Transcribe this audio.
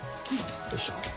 よいしょ。